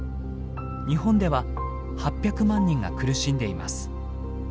日本では８００万人が苦しんでいます。